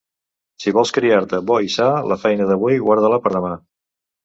Si vols criar-te bo i sa, la feina d'avui, guarda-la per demà.